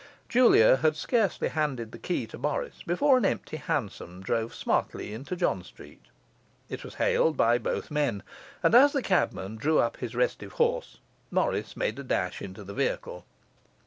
Julia had scarcely handed the key to Morris before an empty hansom drove smartly into John Street. It was hailed by both men, and as the cabman drew up his restive horse, Morris made a dash into the vehicle.